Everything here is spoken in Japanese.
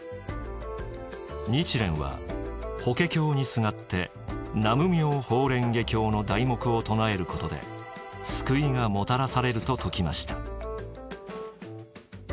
日蓮は「法華経にすがって南無妙法蓮華経の題目を唱えることで救いがもたらされる」と説きました。